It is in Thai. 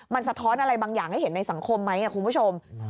มันสะท้อนอะไรบางอย่างให้เห็นในสังคมไหมคุณผู้ชม